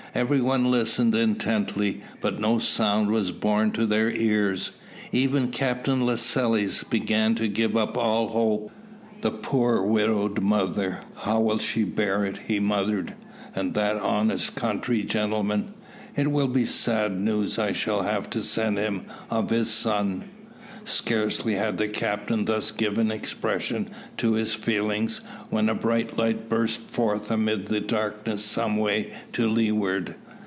Every one listened intently, but no sound was borne to their ears. Even Captain Lascelles began to give up all hope. "The poor widowed mother, how will she bear it?" he muttered; "and that honest country gentleman it will be sad news I shall have to send him of his son." Scarcely had the captain thus given expression to his feelings, when a bright light burst forth amid the darkness some way to leeward.